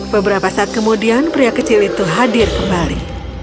beberapa saat kemudian pria kecil itu hadir kembali